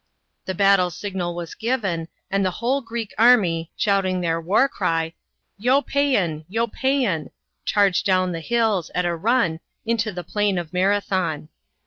The battle signal was given, and the whole Greek army, shouting their war cry, " lo psean ! lo psean !" charged down the hills, at a run, into the plain of Marathon.